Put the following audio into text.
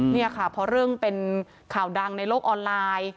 นี่ค่ะเพราะเรื่องเป็นข่าวดังในโลกออนไลน์